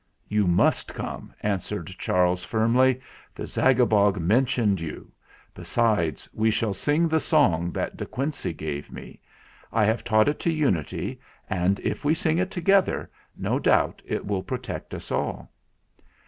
"You must come," answered Charles firmly. "The Zagabog mentioned you. Besides, we shall sing the song that De Quincey gave me. I have taught it to Unity, and, if we sing it together, no doubt it will protect us all."